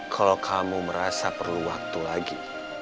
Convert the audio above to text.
kalau kamu merasa perlu waktu lagi